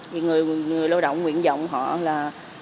thì người lao động nguyện rộng họ là